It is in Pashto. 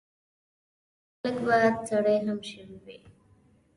د هلک به سړې هم شوي وي.